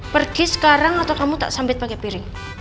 pergi sekarang atau kamu tak sambit pake piring